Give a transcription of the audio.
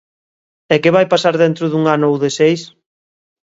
¿E que vai pasar dentro dun ano ou de seis?